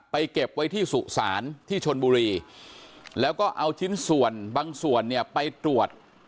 เก็บไว้ที่สุสานที่ชนบุรีแล้วก็เอาชิ้นส่วนบางส่วนเนี่ยไปตรวจ